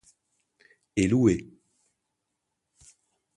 Et loué.